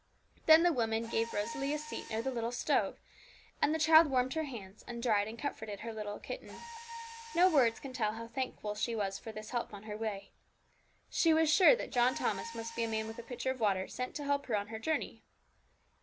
Then the woman gave Rosalie a seat near the little stove, and the child warmed her hands and dried and comforted her poor little kitten. No words can tell how thankful she was for this help on her way. She felt sure that John Thomas must be a man with a pitcher of water, sent to help her on her journey.